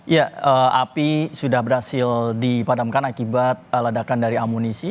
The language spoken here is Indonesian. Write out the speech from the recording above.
ya api sudah berhasil dipadamkan akibat ledakan dari amunisi